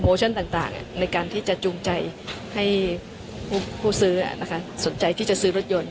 ชั่นต่างในการที่จะจูงใจให้ผู้ซื้อสนใจที่จะซื้อรถยนต์